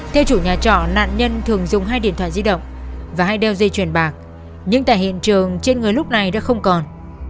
theo chủ nhà trọ nạn nhân thường dùng hai điện thoại di động và hai đeo dây chuyền bạc nhưng tại hiện trường trên người lúc này đã không còn